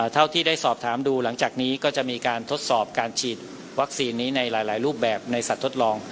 เท่าที่ได้สอบถามดูหลังจากนี้ก็จะมีการทดสอบการฉีดวัคซีนนี้ในหลายรูปแบบในสัตว์ทดลอง